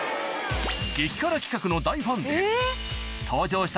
激辛企画の大ファンで登場した